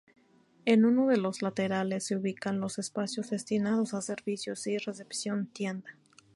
En uno de los laterales se ubican los espacios destinados a servicios y recepción-tienda.